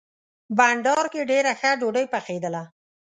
بانډار کې ډېره ښه ډوډۍ پخېدله.